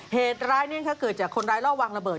เหตุรายเนี่ยนะคะเกิดจากคนร้ายเล่าวางระเบิด